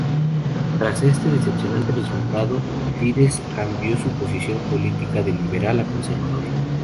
Tras este decepcionante resultado, Fidesz cambió su posición política de liberal a conservador.